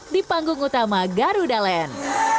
di panggung utama garuda land